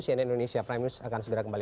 cnn indonesia prime news akan segera kembali